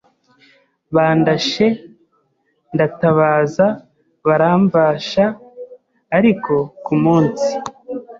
bandashe ndatabaza baramvasha ariko ku munsi